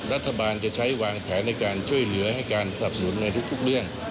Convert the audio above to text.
รัฐบาลจะใช้วางแผนในการช่วยเหลือให้การสับหนุนในทุกเรื่อง